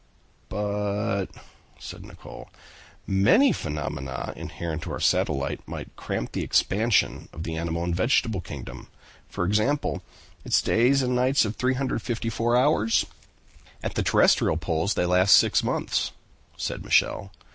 "But," said Nicholl, "many phenomena inherent in our satellite might cramp the expansion of the animal and vegetable kingdom. For example, its days and nights of 354 hours?" "At the terrestrial poles they last six months," said Michel.